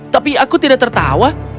tapi aku tidak tertawa